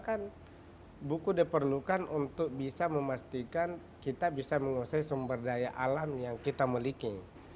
kan buku diperlukan untuk bisa memastikan kita bisa menguasai sumber daya alam yang kita miliki